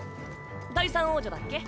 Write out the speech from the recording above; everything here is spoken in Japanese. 第三王女だっけ？